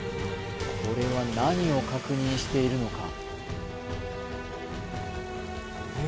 これは何を確認しているのか？